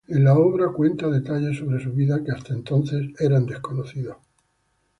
En la obra cuenta detalles sobre su vida que hasta entonces eran desconocidos.